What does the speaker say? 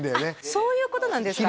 そういうことなんですか